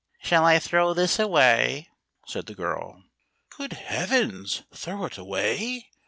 "Shall I throw this away?" said the girl. "Good heavens! Throw it away?